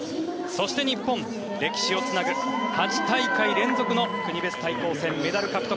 そして日本、歴史をつなぐ８大会連続の国別対抗戦メダル獲得。